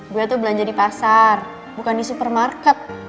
gue tuh belanja di pasar bukan di supermarket